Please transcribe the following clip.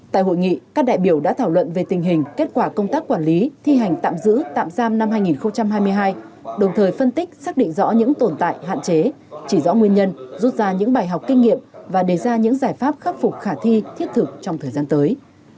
tại hội nghị các đại biểu đã thảo luận về tình hình kết quả công tác quản lý thi hành tạm giữ tạm giam năm hai nghìn hai mươi hai đồng thời phân tích xác định rõ những tồn tại hạn chế chỉ rõ nguyên nhân rút ra những bài học kinh nghiệm và đề ra những giải pháp khắc phục khả thi thiết thực trong thời gian tới